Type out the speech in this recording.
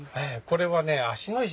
これはね